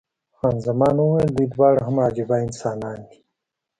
خان زمان وویل، دوی دواړه هم عجبه انسانان دي.